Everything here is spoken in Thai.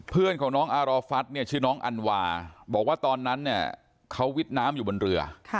เพื่อนของน้องอารอฟัสเนี่ยชื่อน้องอันวาบอกว่าตอนนั้นเนี่ยเขาวิทย์น้ำอยู่บนเรือ